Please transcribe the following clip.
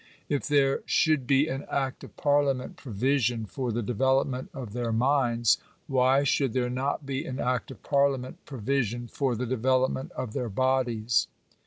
If there should be an act of parliament provision for the development of their minds, why should there not be an act of parliament provision for the development of their bodies